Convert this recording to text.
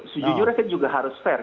sejujurnya saya juga harus fair